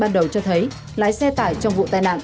ban đầu cho thấy lái xe tải trong vụ tai nạn